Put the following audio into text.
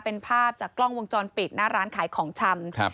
เป็นภาพจากกล้องวงจรปิดหน้าร้านขายของชำครับ